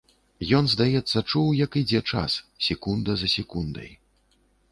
Ён, здаецца, чуў, як ідзе час, секунда за секундай.